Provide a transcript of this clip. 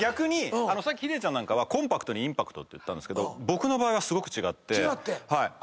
さっきヒデちゃんは「コンパクトにインパクト」って言ったんですけど僕の場合はすごく違って。